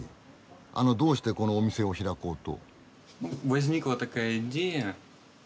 あのどうしてこのお店を開こうと？